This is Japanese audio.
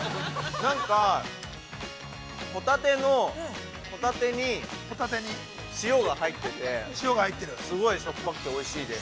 ◆なんか、ホタテに塩が入っててすごいしょっぱくておいしいです。